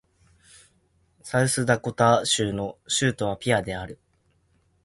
サウスダコタ州の州都はピアである